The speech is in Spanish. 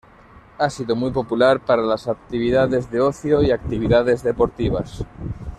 Ha sido muy popular para las actividades de ocio y actividades deportivas.